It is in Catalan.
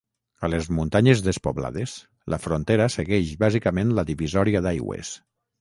A les muntanyes despoblades, la frontera segueix bàsicament la divisòria d'aigües.